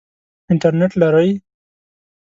انټرنټ لرئ؟